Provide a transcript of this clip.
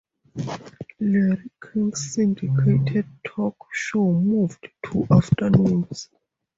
Larry King's syndicated talk show moved to afternoons.